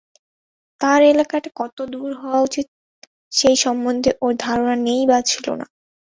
তার এলাকাটা কতদূর হওয়া উচিত সেই সম্বন্ধে ওর ধারণা নেই বা ছিল না।